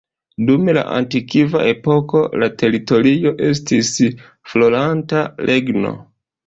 Dum la antikva epoko la teritorio estis floranta regno.